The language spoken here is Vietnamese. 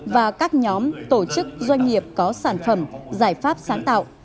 và các nhóm tổ chức doanh nghiệp có sản phẩm giải pháp sáng tạo